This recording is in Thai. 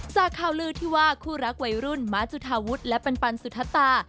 จากข่าวลือที่ว่าคู่รักวัยรุ่นม้าจุธาวุฒิและปันสุธตา